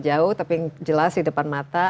jauh tapi yang jelas di depan mata